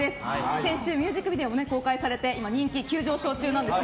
先週、ミュージックビデオも公開されて今、人気急上昇中なんですよ。